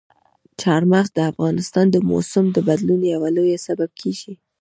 چار مغز د افغانستان د موسم د بدلون یو لوی سبب کېږي.